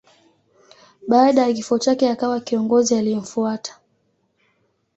Baada ya kifo chake akawa kiongozi aliyemfuata.